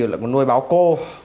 là muốn nuôi báo cô